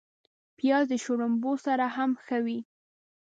پیاز د شړومبو سره هم ښه وي